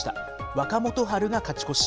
若元春が勝ち越し。